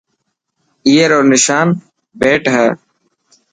اي رو نشان بيٽ هي.